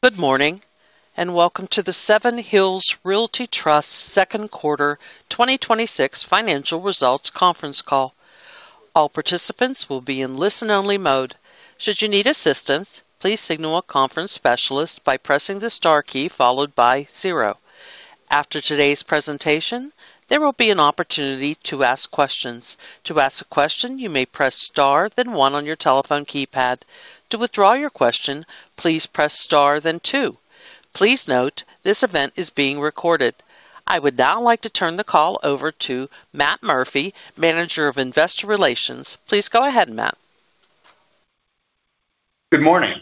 Good morning, welcome to the Seven Hills Realty Trust second quarter 2026 financial results conference call. All participants will be in listen-only mode. Should you need assistance, please signal a conference specialist by pressing the star key followed by zero. After today's presentation, there will be an opportunity to ask questions. To ask a question, you may press star then one on your telephone keypad. To withdraw your question, please press star then two. Please note this event is being recorded. I would now like to turn the call over to Matt Murphy, Manager of Investor Relations. Please go ahead, Matt. Good morning.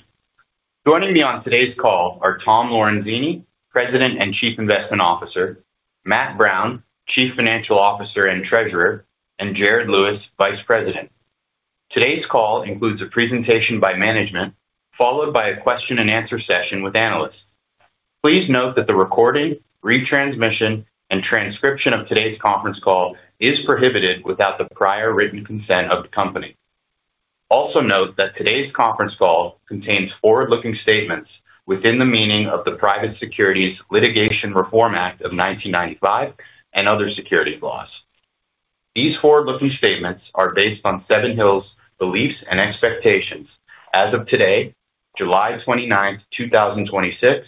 Joining me on today's call are TomLorenzini, President and Chief Investment Officer, Matt Brown, Chief Financial Officer and Treasurer, and Jared Lewis, Vice President. Today's call includes a presentation by management, followed by a question-and-answer session with analysts. Please note that the recording, retransmission, and transcription of today's conference call is prohibited without the prior written consent of the company. Also note that today's conference call contains forward-looking statements within the meaning of the Private Securities Litigation Reform Act of 1995 and other securities laws. These forward-looking statements are based on Seven Hills' beliefs and expectations as of today, July 29th, 2026,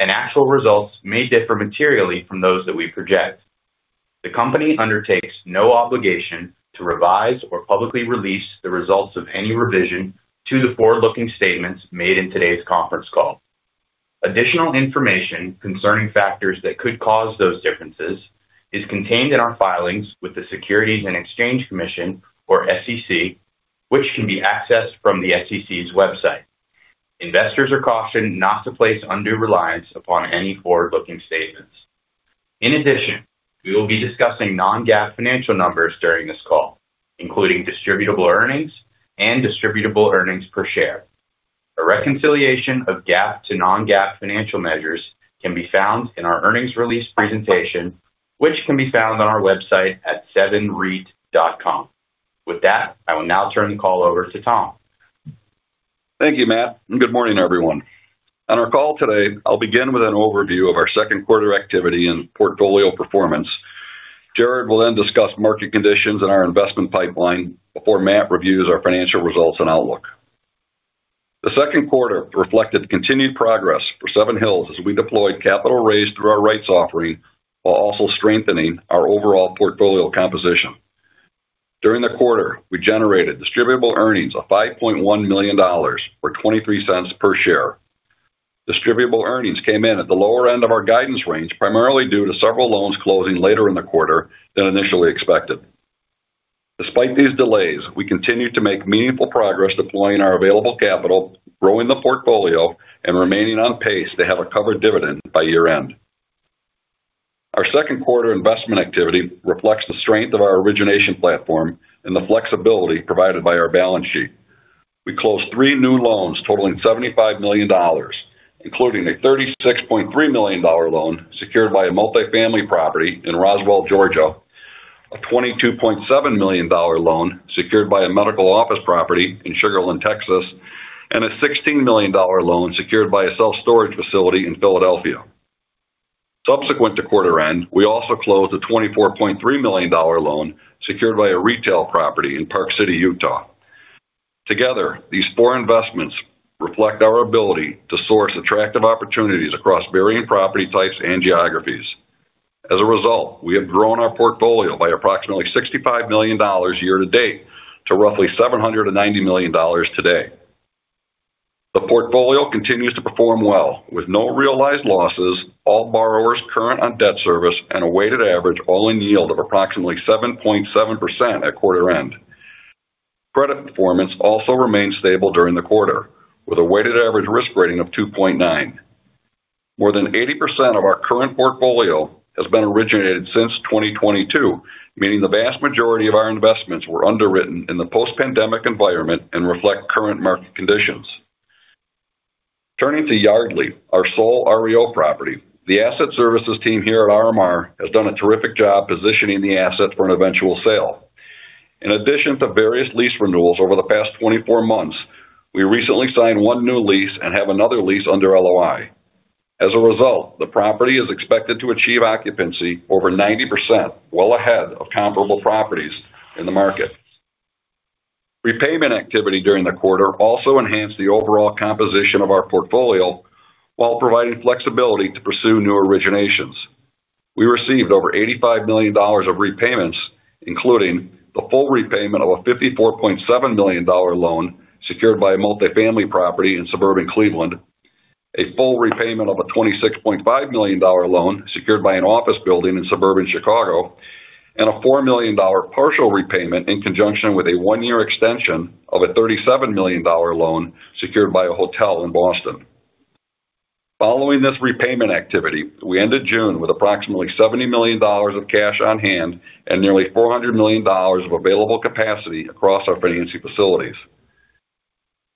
and actual results may differ materially from those that we project. The company undertakes no obligation to revise or publicly release the results of any revision to the forward-looking statements made in today's conference call. Additional information concerning factors that could cause those differences is contained in our filings with the Securities and Exchange Commission, or SEC, which can be accessed from the SEC's website. Investors are cautioned not to place undue reliance upon any forward-looking statements. In addition, we will be discussing non-GAAP financial numbers during this call, including distributable earnings and distributable earnings per share. A reconciliation of GAAP to non-GAAP financial measures can be found in our earnings release presentation, which can be found on our website at sevenreit.com. I will now turn the call over to Tom. Thank you, Matt, and good morning, everyone. On our call today, I'll begin with an overview of our second quarter activity and portfolio performance. Jared will then discuss market conditions and our investment pipeline before Matt reviews our financial results and outlook. The second quarter reflected continued progress for Seven Hills as we deployed capital raised through our rights offering while also strengthening our overall portfolio composition. During the quarter, we generated distributable earnings of $5.1 million, or $0.23 per share. Distributable earnings came in at the lower end of our guidance range, primarily due to several loans closing later in the quarter than initially expected. Despite these delays, we continue to make meaningful progress deploying our available capital, growing the portfolio, and remaining on pace to have a covered dividend by year-end. Our second quarter investment activity reflects the strength of our origination platform and the flexibility provided by our balance sheet. We closed three new loans totaling $75 million, including a $36.3 million loan secured by a multifamily property in Roswell, Georgia, a $22.7 million loan secured by a medical office property in Sugar Land, Texas, and a $16 million loan secured by a self-storage facility in Philadelphia. Subsequent to quarter end, we also closed a $24.3 million loan secured by a retail property in Park City, Utah. Together, these four investments reflect our ability to source attractive opportunities across varying property types and geographies. As a result, we have grown our portfolio by approximately $65 million year-to-date to roughly $790 million today. The portfolio continues to perform well with no realized losses, all borrowers current on debt service, and a weighted average all-in yield of approximately 7.7% at quarter-end. Credit performance also remained stable during the quarter, with a weighted average risk rating of 2.9. More than 80% of our current portfolio has been originated since 2022, meaning the vast majority of our investments were underwritten in the post-pandemic environment and reflect current market conditions. Turning to Yardley, our sole REO property, the asset services team here at RMR has done a terrific job positioning the asset for an eventual sale. In addition to various lease renewals over the past 24 months, we recently signed one new lease and have another lease under LOI. As a result, the property is expected to achieve occupancy over 90%, well ahead of comparable properties in the market. Repayment activity during the quarter also enhanced the overall composition of our portfolio while providing flexibility to pursue new originations. We received over $85 million of repayments, including the full repayment of a $54.7 million loan secured by a multifamily property in suburban Cleveland, a full repayment of a $26.5 million loan secured by an office building in suburban Chicago, and a $4 million partial repayment in conjunction with a one-year extension of a $37 million loan secured by a hotel in Boston. Following this repayment activity, we ended June with approximately $70 million of cash on hand and nearly $400 million of available capacity across our financing facilities.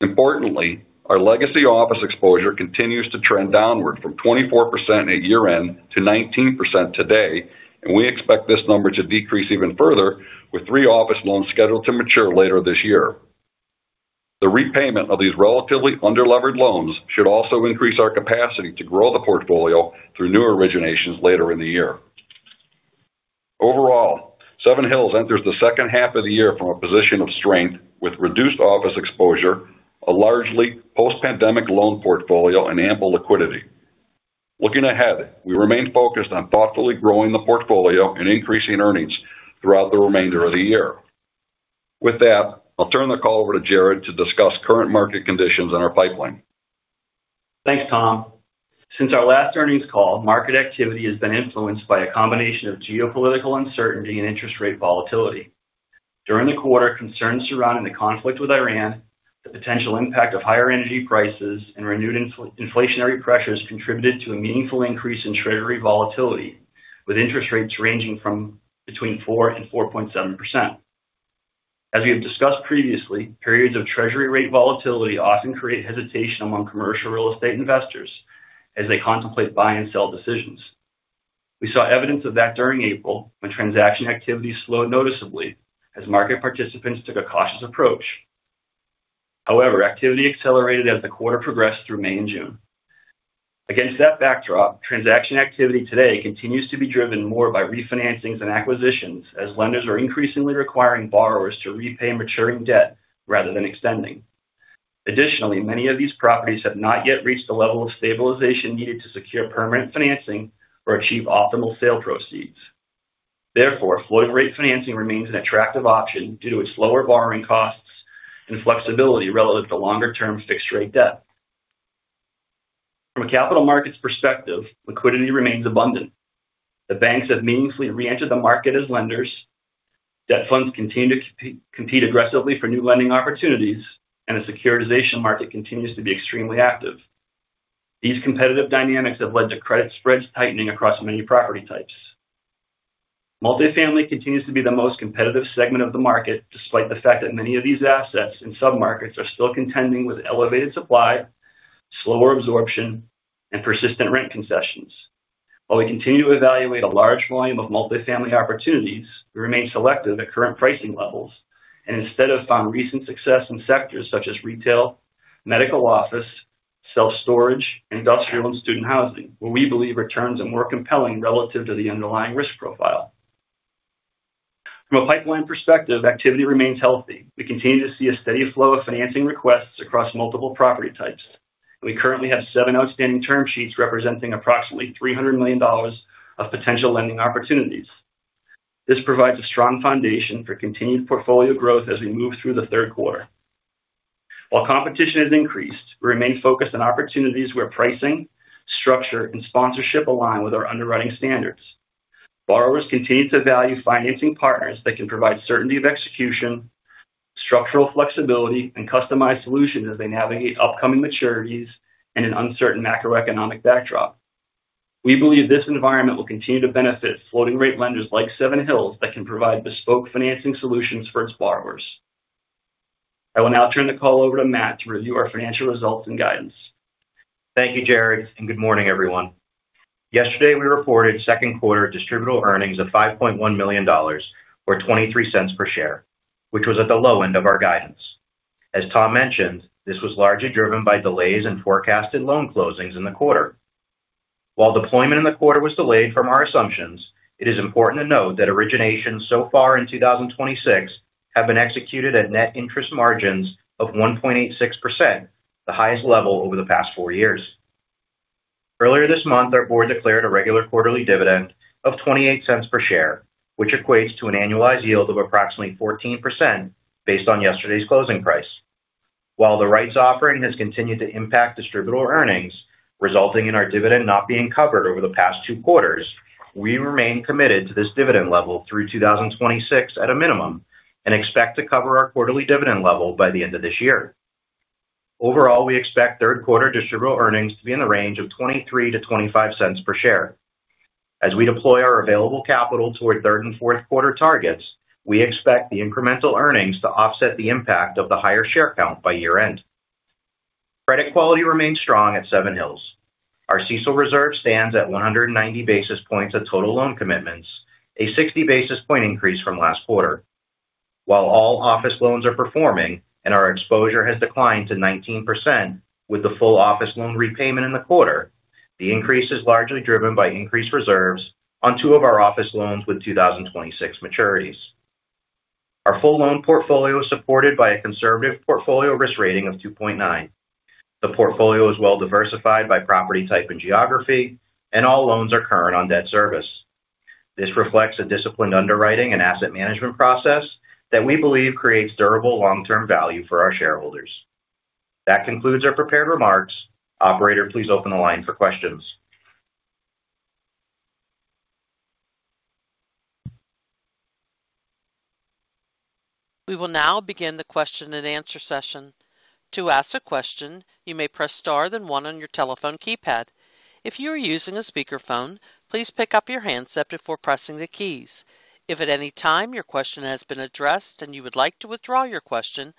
Importantly, our legacy office exposure continues to trend downward from 24% at year-end to 19% today, and we expect this number to decrease even further with three office loans scheduled to mature later this year. The repayment of these relatively under-levered loans should also increase our capacity to grow the portfolio through new originations later in the year. Overall, Seven Hills enters the second half of the year from a position of strength with reduced office exposure, a largely post-pandemic loan portfolio, and ample liquidity. Looking ahead, we remain focused on thoughtfully growing the portfolio and increasing earnings throughout the remainder of the year. With that, I'll turn the call over to Jared to discuss current market conditions in our pipeline. Thanks, Tom. Since our last earnings call, market activity has been influenced by a combination of geopolitical uncertainty and interest rate volatility. During the quarter, concerns surrounding the conflict with Iran, the potential impact of higher energy prices, and renewed inflationary pressures contributed to a meaningful increase in Treasury volatility, with interest rates ranging from between 4% and 4.7%. As we have discussed previously, periods of Treasury rate volatility often create hesitation among commercial real estate investors as they contemplate buy and sell decisions. We saw evidence of that during April, when transaction activity slowed noticeably as market participants took a cautious approach. However, activity accelerated as the quarter progressed through May and June. Against that backdrop, transaction activity today continues to be driven more by refinancings and acquisitions as lenders are increasingly requiring borrowers to repay maturing debt rather than extending. Additionally, many of these properties have not yet reached the level of stabilization needed to secure permanent financing or achieve optimal sale proceeds. Therefore, floating rate financing remains an attractive option due to its lower borrowing costs and flexibility relative to longer-term fixed rate debt. From a capital markets perspective, liquidity remains abundant. The banks have meaningfully re-entered the market as lenders, debt funds continue to compete aggressively for new lending opportunities, and the securitization market continues to be extremely active. These competitive dynamics have led to credit spreads tightening across many property types. Multifamily continues to be the most competitive segment of the market, despite the fact that many of these assets and submarkets are still contending with elevated supply, slower absorption, and persistent rent concessions. While we continue to evaluate a large volume of multifamily opportunities, we remain selective at current pricing levels and instead have found recent success in sectors such as retail, medical office, self-storage, industrial, and student housing, where we believe returns are more compelling relative to the underlying risk profile. From a pipeline perspective, activity remains healthy. We continue to see a steady flow of financing requests across multiple property types. We currently have seven outstanding term sheets representing approximately $300 million of potential lending opportunities. This provides a strong foundation for continued portfolio growth as we move through the third quarter. While competition has increased, we remain focused on opportunities where pricing, structure, and sponsorship align with our underwriting standards. Borrowers continue to value financing partners that can provide certainty of execution, structural flexibility, and customized solutions as they navigate upcoming maturities in an uncertain macroeconomic backdrop. We believe this environment will continue to benefit floating rate lenders like Seven Hills that can provide bespoke financing solutions for its borrowers. I will now turn the call over to Matt to review our financial results and guidance. Thank you, Jared, and good morning, everyone. Yesterday, we reported second quarter distributable earnings of $5.1 million, or $0.23 per share, which was at the low end of our guidance. As Tom mentioned, this was largely driven by delays in forecasted loan closings in the quarter. While deployment in the quarter was delayed from our assumptions, it is important to note that originations so far in 2026 have been executed at net interest margins of 1.86%, the highest level over the past four years. Earlier this month, our board declared a regular quarterly dividend of $0.28 per share, which equates to an annualized yield of approximately 14% based on yesterday's closing price. While the rights offering has continued to impact distributable earnings, resulting in our dividend not being covered over the past two quarters, we remain committed to this dividend level through 2026 at a minimum and expect to cover our quarterly dividend level by the end of this year. Overall, we expect third quarter distributable earnings to be in the range of $0.23-$0.25 per share. As we deploy our available capital toward third and fourth quarter targets, we expect the incremental earnings to offset the impact of the higher share count by year-end. Credit quality remains strong at Seven Hills. Our CECL reserve stands at 190 basis points of total loan commitments, a 60-basis point increase from last quarter. While all office loans are performing and our exposure has declined to 19% with the full office loan repayment in the quarter, the increase is largely driven by increased reserves on two of our office loans with 2026 maturities. Our full loan portfolio is supported by a conservative portfolio risk rating of 2.9. The portfolio is well diversified by property type and geography, and all loans are current on debt service. This reflects a disciplined underwriting and asset management process that we believe creates durable long-term value for our shareholders. That concludes our prepared remarks. Operator, please open the line for questions. We will now begin the question-and-answer session. To ask a question, you may press star one on your telephone keypad. If you are using a speakerphone, please pick up your handset before pressing the keys. If at any time your question has been addressed and you would like to withdraw your question,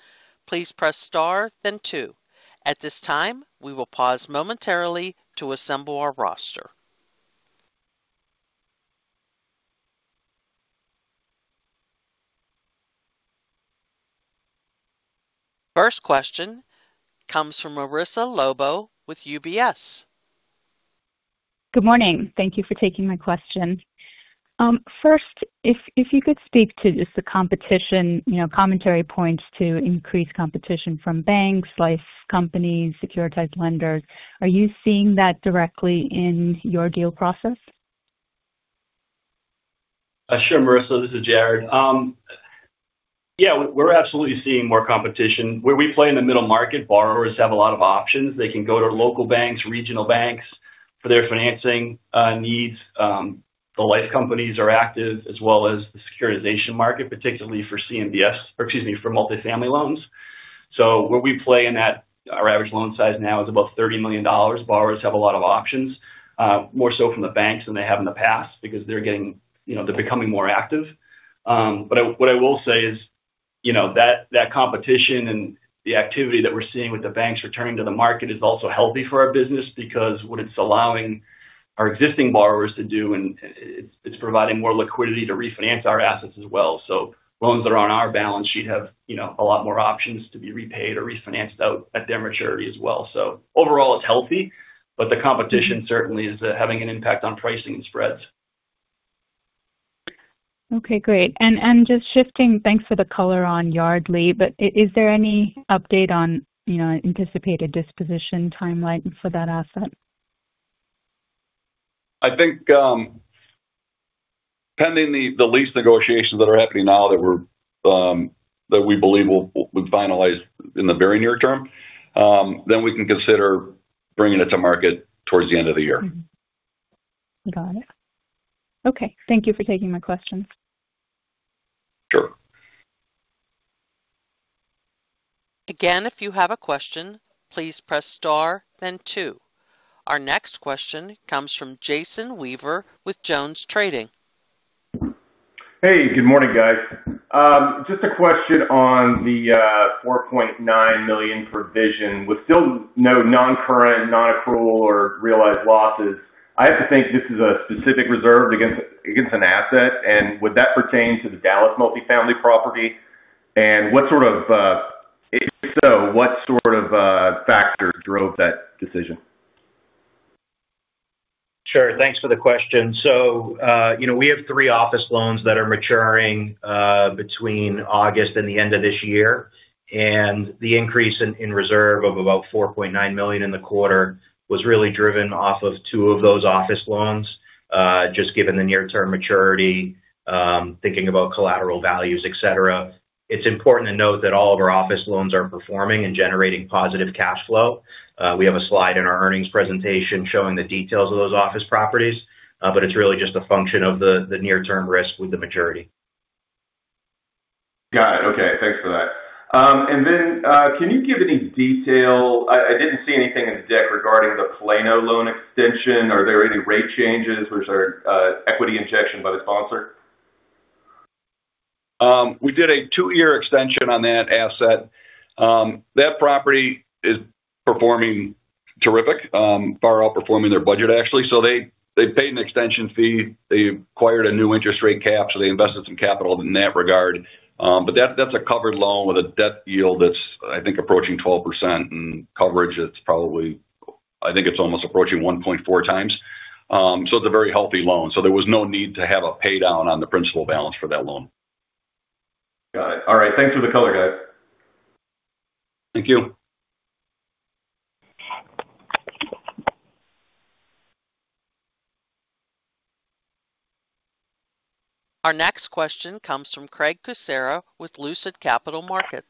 please press star two. At this time, we will pause momentarily to assemble our roster. First question comes from Marissa Lobo with UBS. Good morning. Thank you for taking my question. First, if you could speak to just the competition, commentary points to increased competition from banks, life companies, securitized lenders. Are you seeing that directly in your deal process? Sure, Marissa, this is Jared. Yeah, we're absolutely seeing more competition. Where we play in the middle market, borrowers have a lot of options. They can go to local banks, regional banks for their financing needs. The life companies are active as well as the securitization market, particularly for CMBS or excuse me, for multifamily loans. Where we play in that, our average loan size now is about $30 million. Borrowers have a lot of options, more so from the banks than they have in the past because they're becoming more active. What I will say is that competition and the activity that we're seeing with the banks returning to the market is also healthy for our business because what it's allowing our existing borrowers to do, and it's providing more liquidity to refinance our assets as well. Loans that are on our balance sheet have a lot more options to be repaid or refinanced out at their maturity as well. Overall, it's healthy, the competition certainly is having an impact on pricing and spreads. Okay, great. Just shifting, thanks for the color on Yardley, is there any update on anticipated disposition timeline for that asset? I think, pending the lease negotiations that are happening now that we believe we'll finalize in the very near-term, then we can consider bringing it to market towards the end of the year. Mm-hmm. Got it. Okay. Thank you for taking my questions. Sure. If you have a question, please press star then two. Our next question comes from Jason Weaver with JonesTrading. Hey, good morning, guys. Just a question on the $4.9 million provision with still no non-current, non-accrual, or realized losses. I have to think this is a specific reserve against an asset. Would that pertain to the Dallas multifamily property? If so, what sort of factor drove that decision? Sure. Thanks for the question. We have three office loans that are maturing between August and the end of this year. The increase in reserve of about $4.9 million in the quarter was really driven off of two of those office loans, just given the near-term maturity, thinking about collateral values, et cetera. It's important to note that all of our office loans are performing and generating positive cash flow. We have a slide in our earnings presentation showing the details of those office properties. It's really just a function of the near-term risk with the maturity. Got it. Okay. Thanks for that. Can you give any detail? I didn't see anything in the deck regarding the Plano loan extension. Are there any rate changes or is there equity injection by the sponsor? We did a two-year extension on that asset. That property is performing terrific. Far outperforming their budget, actually. They paid an extension fee. They acquired a new interest rate cap, they invested some capital in that regard. That's a covered loan with a debt yield that's, I think, approaching 12%, and coverage that's probably approaching 1.4x. It's a very healthy loan. There was no need to have a pay down on the principal balance for that loan. Got it. All right. Thanks for the color, guys. Thank you. Our next question comes from Craig Kucera with Lucid Capital Markets.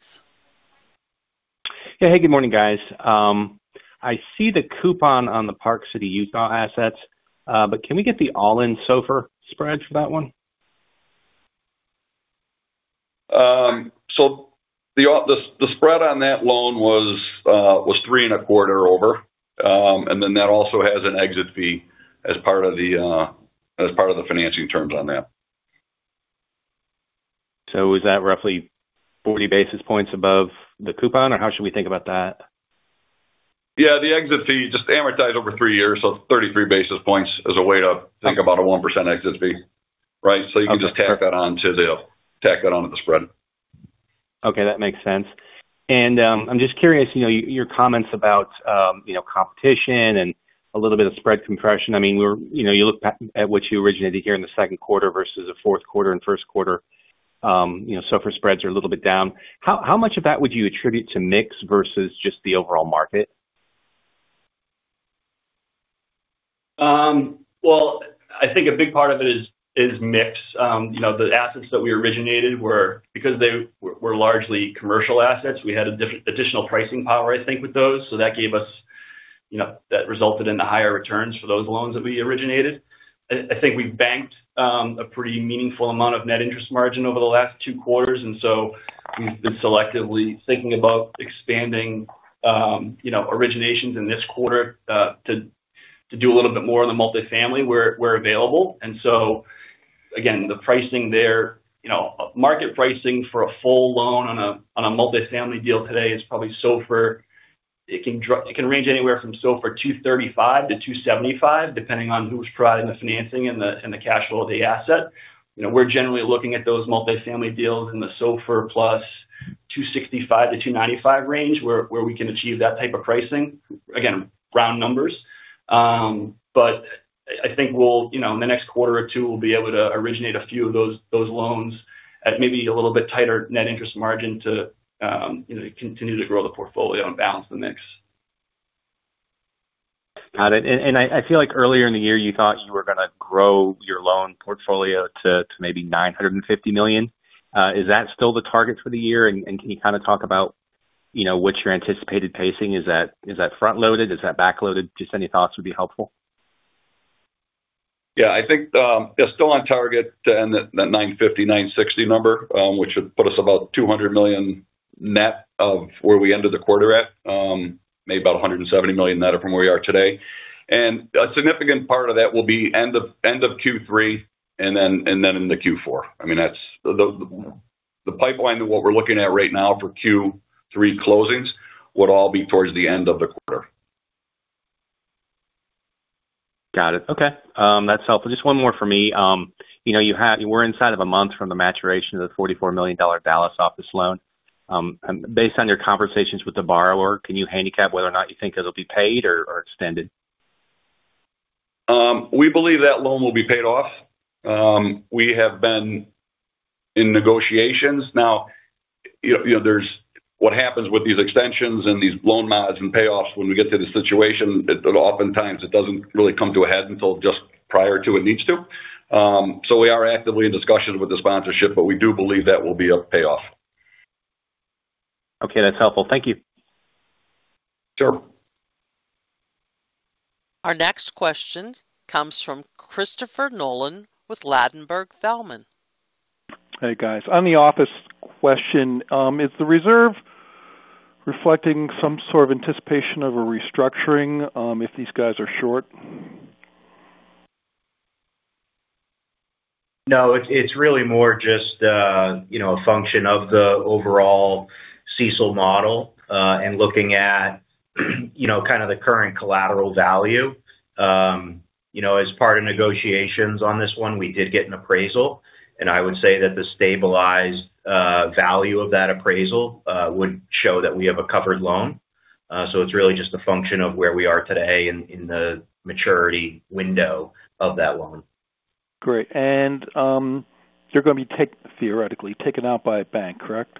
Hey, good morning, guys. I see the coupon on the Park City, Utah assets but Can we get the all-in SOFR spread for that one? The spread on that loan was three and a quarter over. That also has an exit fee as part of the financing terms on that. Is that roughly 40 basis points above the coupon, or how should we think about that? Yeah, the exit fee just amortized over three years. 33 basis points as a way to think about a 1% exit fee. Right? Okay. You can just tack that on to the spread. Okay, that makes sense. I'm just curious, your comments about competition and a little bit of spread compression. You look at what you originated here in the second quarter versus the fourth quarter and first quarter. SOFR spreads are a little bit down. How much of that would you attribute to mix versus just the overall market? I think a big part of it is mix. The assets that we originated were because they were largely commercial assets, we had additional pricing power, I think, with those. That resulted in the higher returns for those loans that we originated. I think we banked a pretty meaningful amount of net interest margin over the last two quarters. We've been selectively thinking about expanding originations in this quarter to do a little bit more in the multifamily where available. Again, the pricing there, market pricing for a full loan on a multifamily deal today is probably SOFR. It can range anywhere from SOFR 235-275, depending on who's pricing the financing and the cash flow of the asset. We're generally looking at those multifamily deals in the SOFR +265-295 range, where we can achieve that type of pricing. Again, round numbers. I think in the next quarter or two, we'll be able to originate a few of those loans at maybe a little bit tighter net interest margin to continue to grow the portfolio and balance the mix. Got it. I feel like earlier in the year, you thought you were going to grow your loan portfolio to maybe $950 million. Is that still the target for the year? Can you talk about what's your anticipated pacing? Is that front-loaded? Is that back-loaded? Just any thoughts would be helpful. I think they're still on target to end at that $950 million-$960 million number, which would put us about $200 million net of where we ended the quarter at. Maybe about $170 million net up from where we are today. A significant part of that will be end of Q3 and then into Q4. The pipeline of what we're looking at right now for Q3 closings would all be towards the end of the quarter. Got it. Okay. That's helpful. Just one more for me. We're inside of a month from the maturation of the $44 million Dallas office loan. Based on your conversations with the borrower, can you handicap whether or not you think it'll be paid or extended? We believe that loan will be paid off. We have been in negotiations. Now, what happens with these extensions and these loan mods and payoffs when we get to the situation, oftentimes it doesn't really come to a head until just prior to it needs to. We are actively in discussions with the sponsorship, but we do believe that will be a payoff. Okay, that's helpful. Thank you. Sure. Our next question comes from Christopher Nolan with Ladenburg Thalmann. Hey, guys. On the office question, is the reserve reflecting some sort of anticipation of a restructuring if these guys are short? No, it's really more just a function of the overall CECL model, and looking at the current collateral value. As part of negotiations on this one, we did get an appraisal, and I would say that the stabilized value of that appraisal would show that we have a covered loan. It's really just a function of where we are today in the maturity window of that loan. Great. They're going to be theoretically taken out by a bank, correct?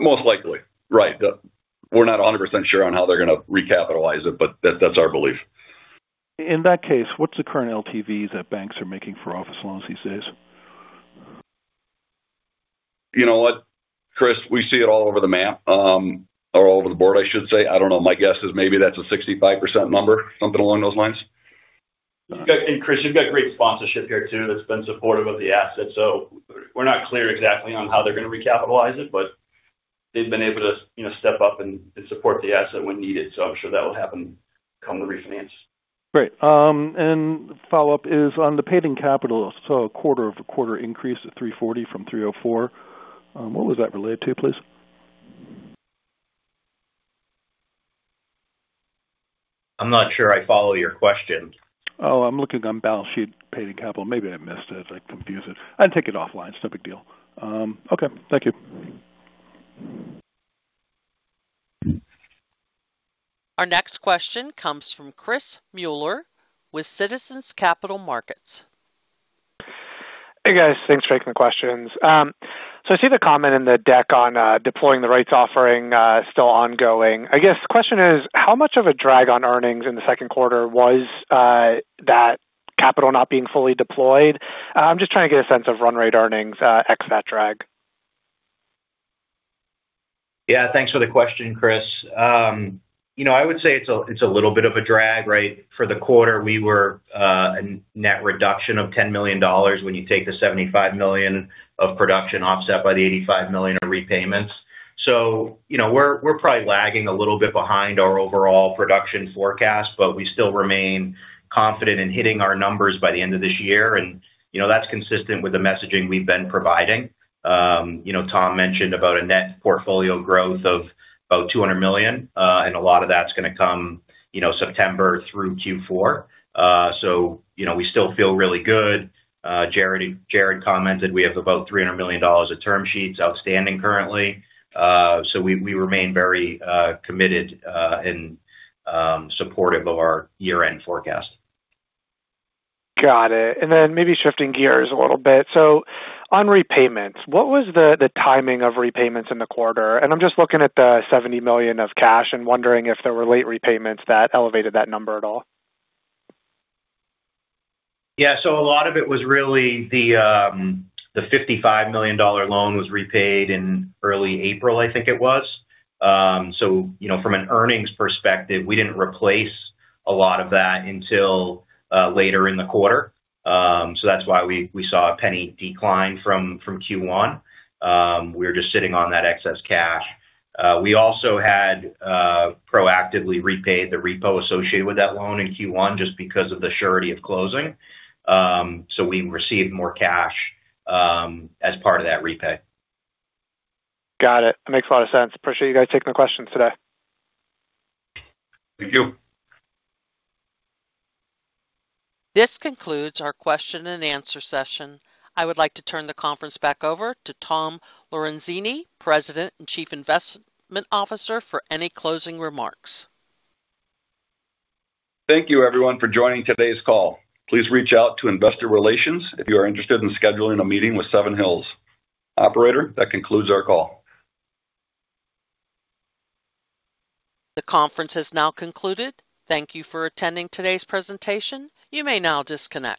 Most likely. Right. We're not 100% sure on how they're going to recapitalize it, but that's our belief. In that case, what's the current LTVs that banks are making for office loans these days? You know what, Chris? We see it all over the map, or all over the board, I should say. I don't know. My guess is maybe that's a 65% number. Something along those lines. Chris, you've got great sponsorship here too, that's been supportive of the asset. We're not clear exactly on how they're going to recapitalize it, they've been able to step up and support the asset when needed. I'm sure that will happen come the refinance. Great. Follow-up is on the paid-in capital. I saw a quarter-over-quarter increase to $340 million from $304 million. What was that related to, please? I'm not sure I follow your question. I'm looking on balance sheet, paid-in capital. Maybe I missed it. I confuse it. I take it offline. It's no big deal. Okay. Thank you. Our next question comes from Chris Muller with Citizens Capital Markets. Hey, guys. Thanks for taking the questions. I see the comment in the deck on deploying the rights offering still ongoing. I guess the question is, how much of a drag on earnings in the second quarter was that capital not being fully deployed? I'm just trying to get a sense of run rate earnings ex that drag. Thanks for the question, Chris. I would say it's a little bit of a drag, right? For the quarter, we were a net reduction of $10 million when you take the $75 million of production offset by the $85 million of repayments. We're probably lagging a little bit behind our overall production forecast, but we still remain confident in hitting our numbers by the end of this year. That's consistent with the messaging we've been providing. Tom mentioned about a net portfolio growth of about $200 million, a lot of that's going to come September through Q4. We still feel really good. Jared commented we have about $300 million of term sheets outstanding currently. We remain very committed and supportive of our year-end forecast. Got it. Maybe shifting gears a little bit. On repayments, what was the timing of repayments in the quarter? I'm just looking at the $70 million of cash and wondering if there were late repayments that elevated that number at all. A lot of it was really the $55 million loan was repaid in early April, I think it was. From an earnings perspective, we didn't replace a lot of that until later in the quarter. That's why we saw a $0.01 decline from Q1. We were just sitting on that excess cash. We also had proactively repaid the repo associated with that loan in Q1 just because of the surety of closing. We received more cash as part of that repay. Got it. That makes a lot of sense. Appreciate you guys taking the questions today. Thank you. This concludes our question-and-answer session. I would like to turn the conference back over to Tom Lorenzini, President and Chief Investment Officer, for any closing remarks. Thank you, everyone, for joining today's call. Please reach out to investor relations if you are interested in scheduling a meeting with Seven Hills. Operator, that concludes our call. The conference has now concluded. Thank you for attending today's presentation. You may now disconnect.